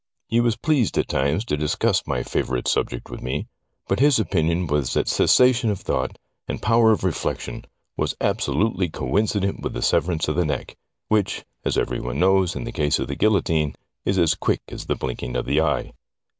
He was pleased at times to discuss my favourite subject with me, but his opinion was that cessation of thought and power of reflec tion was absolutely coincident with the severance of the neck, which, as every one knows, in the case of the guillotine is as quick as the blinking of the eye.